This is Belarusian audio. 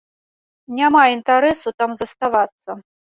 Няма інтарэсу там заставацца.